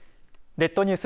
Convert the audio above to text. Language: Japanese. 列島ニュース